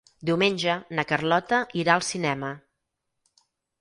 Diumenge na Carlota irà al cinema.